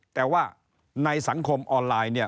แต่ว่าในสังคมออนไลน์